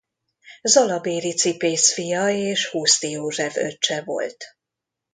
Zalabéri cipész fia és Huszti József öccse volt.